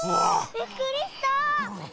びっくりした！